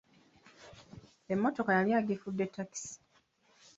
Emmottka yali agifudde takisi.